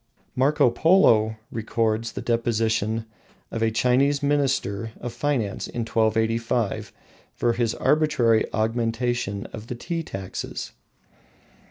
Marco Polo records the deposition of a Chinese minister of finance in 1285 for his arbitrary augmentation of the tea taxes.